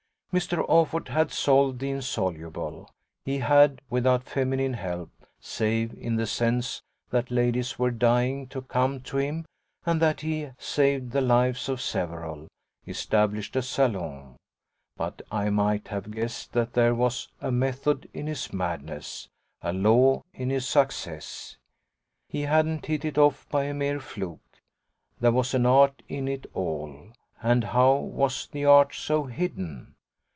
Mr. Offord had solved the insoluble; he had, without feminine help save in the sense that ladies were dying to come to him and that he saved the lives of several established a salon; but I might have guessed that there was a method in his madness, a law in his success. He hadn't hit it off by a mere fluke. There was an art in it all, and how was the art so hidden?